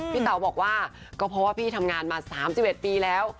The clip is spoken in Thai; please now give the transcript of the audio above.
เต๋าบอกว่าก็เพราะว่าพี่ทำงานมา๓๑ปีแล้ว